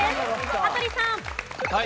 羽鳥さん。